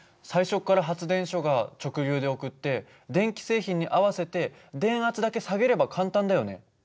最初から発電所が直流で送って電気製品に合わせて電圧だけ下げれば簡単だよね。